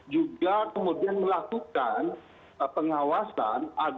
juga kemudian melakukan penyelesaian penanggulangan bencana